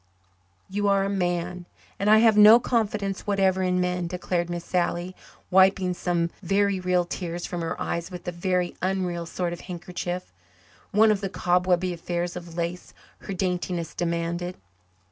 "You are a man and I have no confidence whatever in men," declared Miss Sally, wiping some very real tears from her eyes with a very unreal sort of handkerchief one of the cobwebby affairs of lace her daintiness demanded.